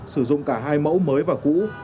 sử dụng cả hai mẫu mới và cũ